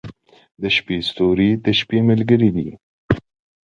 • د شپې ستوري د شپې ملګري دي.